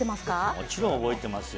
もちろん覚えてますよ。